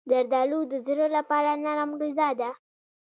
زردالو د زړه لپاره نرم غذا ده.